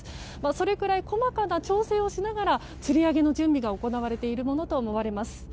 それくらい細かな調整をしながらつり上げの準備が行われているものと思われます。